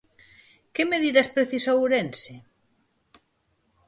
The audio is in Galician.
Que medidas precisa Ourense?